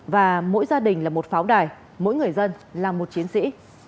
và mỗi gia đình là một pháo đài mỗi người dân là một chiến sĩ